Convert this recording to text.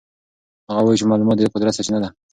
هغه وایي چې معلومات د قدرت سرچینه ده.